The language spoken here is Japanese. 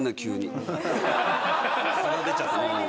素が出ちゃった。